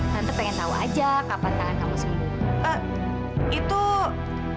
nanti pengen tahu aja kapan tangan kamu sembuh